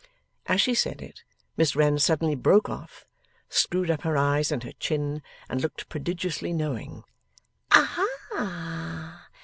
As she said it, Miss Wren suddenly broke off, screwed up her eyes and her chin, and looked prodigiously knowing. 'Aha!